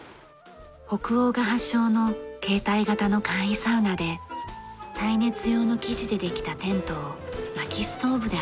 北欧が発祥の携帯型の簡易サウナで耐熱用の生地でできたテントをまきストーブで暖めます。